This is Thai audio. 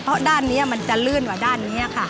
เพราะด้านนี้มันจะลื่นกว่าด้านนี้ค่ะ